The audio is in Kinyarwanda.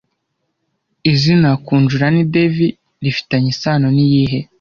Izina Kunjarani Devi rifitanye isano niyihe